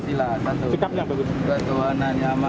saya sudah mengucapkan pancasila